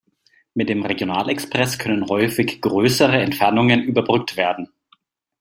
Mit dem Regional-Express können häufig größere Entfernungen überbrückt werden.